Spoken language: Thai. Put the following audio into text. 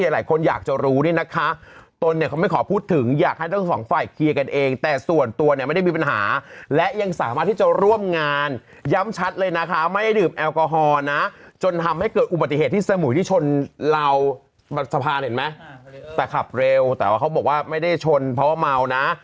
หนูที่ชนราวสะพานเห็นไหมแต่ขับเร็วแต่ว่าเขาบอกว่าไม่ได้ชนเพราะว่าเมาท์นะ